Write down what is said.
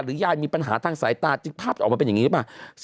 ยายมีปัญหาทางสายตาจึงภาพออกมาเป็นอย่างนี้หรือเปล่า